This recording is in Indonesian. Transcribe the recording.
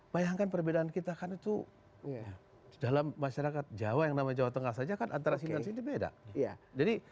bayangkan perbedaan kita kan itu dalam masyarakat jawa yang namanya jawa tengah saja kan antara sini dan sini beda